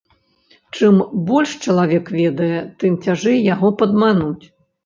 Чым больш чалавек ведае, тым цяжэй яго падмануць.